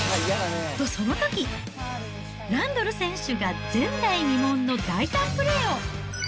とそのとき、ランドル選手が前代未聞の大胆プレーを。